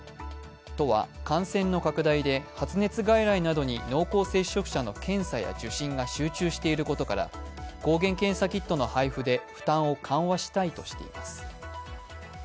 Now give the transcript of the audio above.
都は感染の拡大で発熱外来などに濃厚接触者の検査や受診が集中していることから抗原検査キットの配布で負担を緩和したいとしています。